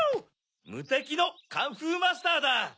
むてきのカンフーマスターだ！